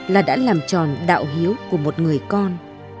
là đã làm tròn đạo hiếu của một người con